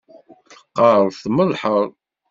Teqqareḍ tmellḥeḍ